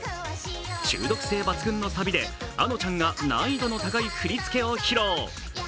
中毒性抜群のサビであのちゃんが難易度の高い振り付けを披露。